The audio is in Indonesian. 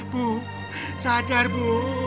bu sadar bu